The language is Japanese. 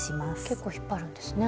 結構引っ張るんですね。